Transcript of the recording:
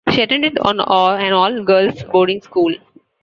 She attended an all-girls boarding school.